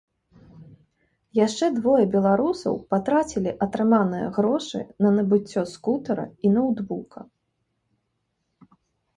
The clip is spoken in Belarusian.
Яшчэ двое беларусаў патрацілі атрыманыя грошы на набыццё скутэра і ноўтбука.